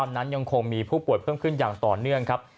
นั้นยังคงมีผู้ป่วยเพิ่มขึ้นอย่างต่อเนื่องครับ